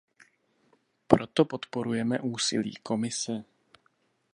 Proto podporujeme úsilí Komise.